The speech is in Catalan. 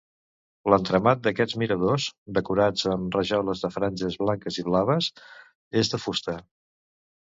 L'entramat d'aquests miradors, decorats amb rajoles de franges blanques i blaves, és de fusta.